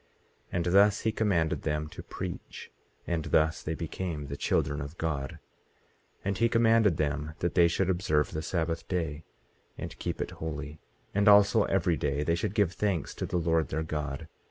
18:22 And thus he commanded them to preach. And thus they became the children of God. 18:23 And he commanded them that they should observe the sabbath day, and keep it holy, and also every day they should give thanks to the Lord their God.